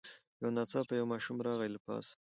یو ناڅاپه یو ماشوم راغی له پاسه